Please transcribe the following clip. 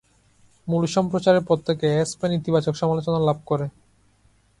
মূল সম্প্রচারের পর থেকে "অ্যাসপেন" ইতিবাচক সমালোচনা লাভ করে।